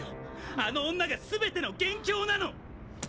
あの女が全ての元凶なの！！